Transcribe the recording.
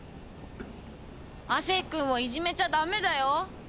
亜生君をいじめちゃダメだよ。